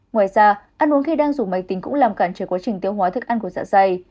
ngoài ra ăn uống khi đang dùng máy tính cũng làm cản trời quá trình tiêu hóa thức ăn của sợ tay